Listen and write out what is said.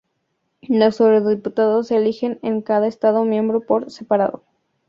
Los eurodiputados se eligen en cada Estado miembro por separado.